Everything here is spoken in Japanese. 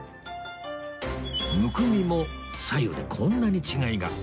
むくみも左右でこんなに違いが